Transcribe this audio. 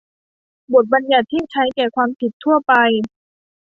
บทบัญญัติที่ใช้แก่ความผิดทั่วไป